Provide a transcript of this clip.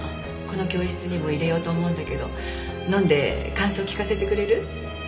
この教室にも入れようと思うんだけど飲んで感想聞かせてくれる？